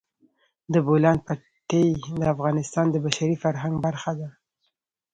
د بولان پټي د افغانستان د بشري فرهنګ برخه ده.